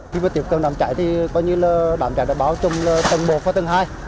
khi tiếp tục đám cháy đám cháy đã báo trong tầng một và tầng hai